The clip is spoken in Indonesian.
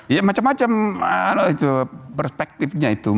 ya macam macam itu perspektifnya itu